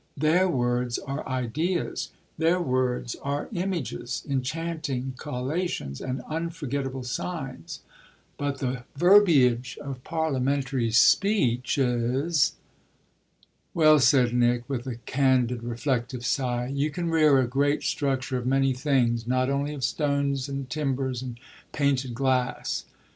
"Their words are ideas their words are images, enchanting collocations and unforgettable signs. But the verbiage of parliamentary speeches !" "Well," said Nick with a candid, reflective sigh, "you can rear a great structure of many things not only of stones and timbers and painted glass."